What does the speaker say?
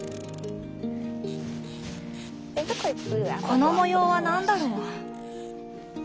この模様は何だろう？